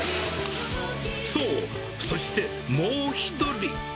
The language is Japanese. そう、そしてもう１人。